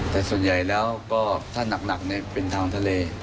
แต่ส่วนใหญ่แล้วก็ถ้าหนักเป็นทางทะเล